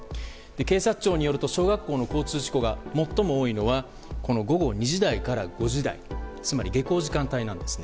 警察庁によると小学生の交通事故が最も多いのは午後２時台から４時台つまり下校時間帯なんですね。